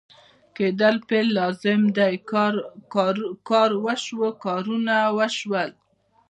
کېدل فعل لازم دی کار وشو ، کارونه وشول